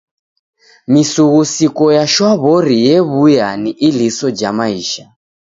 Misughusiko ya shwaw'ori ew'uya ni iliso ja maisha.